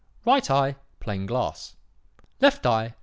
"'Right eye plain glass. "'Left eye 5.